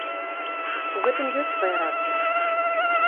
У гэтым ёсць свая рацыя.